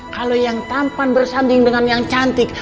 kalau yang tampan bersanding dengan yang cantik